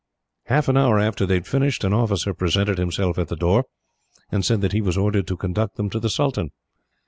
Half an hour after they had finished, an officer presented himself at the door, and said that he was ordered to conduct them to the sultan.